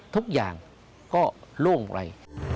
ทุกอย่างก็ร่วงใร